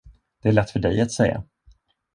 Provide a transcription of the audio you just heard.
Det är lätt för dig att säga.